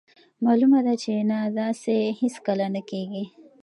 مالومه ده چې نه داسې هیڅکله نه کیږي.